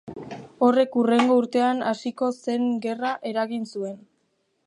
Horrek hurrengo urtean hasiko zen gerra eragin zuen.